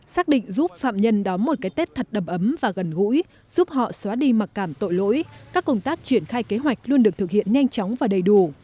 xác định giúp phạm nhân đón một cái tết thật đầm ấm và gần gũi giúp họ xóa đi mặc cảm tội lỗi các công tác triển khai kế hoạch luôn được thực hiện nhanh chóng và đầy đủ